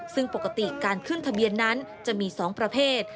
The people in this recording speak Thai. ซึ่งปกติการขึ้นทะเบียนนั้นจะมี๒ประเภท